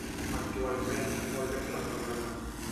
Actualment molt ben restaurada.